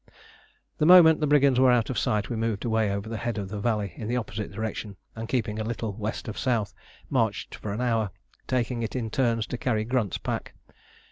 The moment the brigands were out of sight we moved away over the head of the valley in the opposite direction, and keeping a little west of south, marched for an hour, taking it in turns to carry Grunt's pack.